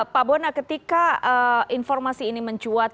pak bona ketika informasi ini mencuat